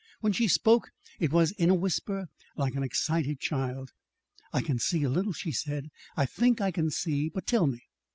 When she spoke, it was in a whisper like an excited child. "I can see a little," she said. "I think I can see. But tell me."